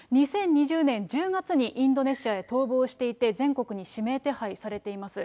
２０２０年１０月にインドネシアへ逃亡していて、全国に指名手配されています。